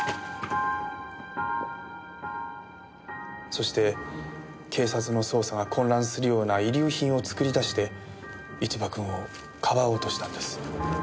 そして警察の捜査が混乱するような遺留品を作り出して一場君をかばおうとしたんです。